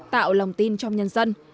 tạo lòng tin trong nhân dân